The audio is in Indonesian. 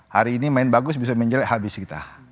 hari ini main bagus besok main jelek habis kita